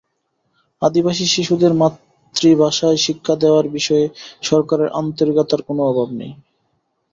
আদিবাসী শিশুদের মাতৃভাষায় শিক্ষা দেওয়ার বিষয়ে সরকারের আন্তরিকতার কোনো অভাব নেই।